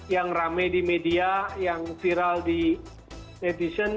yang rame di media yang viral di netizen